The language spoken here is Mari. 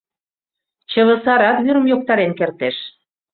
Чыве сарат вӱрым йоктарен кертеш.